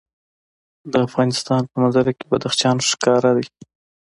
د افغانستان په منظره کې بدخشان ښکاره ده.